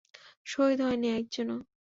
শহীদ হয়নি একজনও।